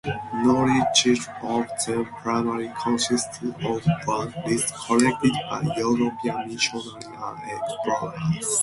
Knowledge of them primarily consists of word lists collected by European missionaries and explorers.